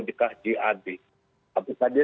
jika jad apakah dia